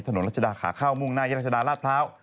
ถนนรัชดาขาข้าวมุ่งหน้ายารัชดาราพร้าว